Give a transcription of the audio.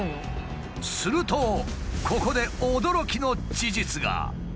するとここで驚きの事実が。